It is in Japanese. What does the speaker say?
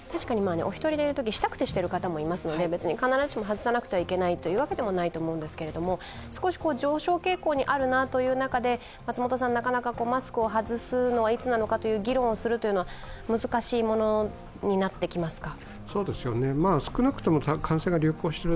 お１人でいるとき、したくてしている人もいますので必ずしも外さなければいけないということはないんですが上昇傾向にあるなという中で、なかなかマスクを外すのはいつなのかという議論をするのは難しいものになってきますか？